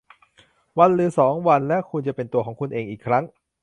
วันหรือสองวันและคุณจะเป็นตัวของคุณเองอีกครั้ง